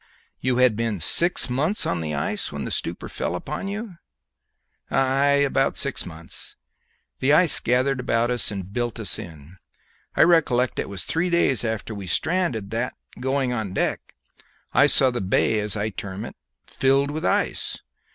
"You had been six months on the ice when the stupor fell upon you?" "Ay, about six months. The ice gathered about us and built us in. I recollect it was three days after we stranded that, going on deck, I saw the bay (as I term it) filled with ice.